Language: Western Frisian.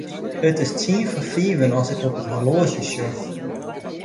It is tsien foar fiven as ik op it horloazje sjoch.